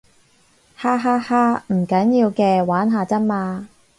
哈哈哈，唔緊要嘅，玩下咋嘛